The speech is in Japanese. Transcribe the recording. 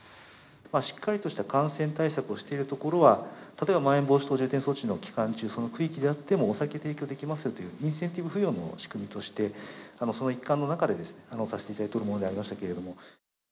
しっかりとした感染対策をしている所は、例えばまん延防止等重点措置の期間中、その区域であってもお酒提供できますよというインセンティブ付与の仕組みとして、その一環の中でさせていただいているものでありましたけれども。